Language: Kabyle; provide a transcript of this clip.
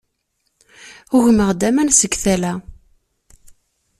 Ugmeɣ-d aman seg tala.